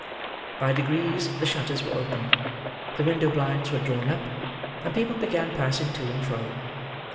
By degrees, the shutters were opened; the window blinds were drawn up; and people began passing to and fro.